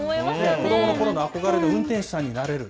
子どものころの憧れの運転士さんになれる。